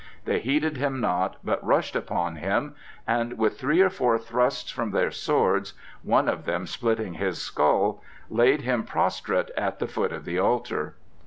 They heeded him not, but rushed upon him, and with three or four thrusts from their swords, one of them splitting his skull, laid him prostrate at the foot of the altar.